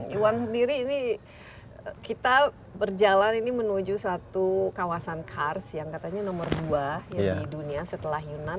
iwan sendiri ini kita berjalan ini menuju suatu kawasan kars yang katanya nomor dua di dunia setelah yunan